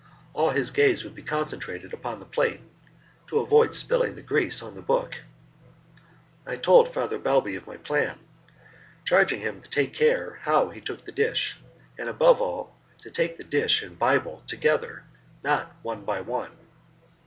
All his gaze would be concentrated upon the plate, to avoid spilling the grease on the book. I told Father Balbi of my plan, charging him to take care how he took the dish, and above all to take dish and Bible together, and not one by one.